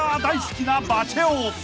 大好きなバチェ男］